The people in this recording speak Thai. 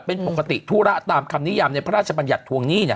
เป็นปกติธุระตามคำนิยามในพระราชบัญญัติทวงหนี้เนี่ย